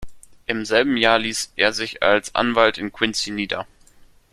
Im selben Jahr ließ er sich als Anwalt in Quincy nieder.